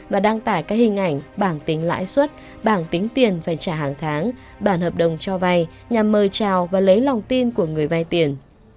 và đăng tải các hình ảnh bảng tính lãi suất bảng tính tiền phải trả hàng tháng bản hợp đồng cho vay nhằm mời chào và lấy lòng tin của người vay tiền